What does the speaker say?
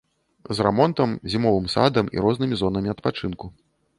З рамонтам, зімовым садам і рознымі зонамі адпачынку.